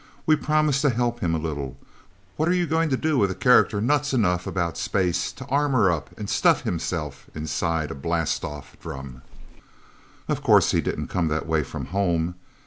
We promised to help him a little. What are you going to do with a character nuts enough about space to armor up and stuff himself inside a blastoff drum? Of course he didn't come that way from home.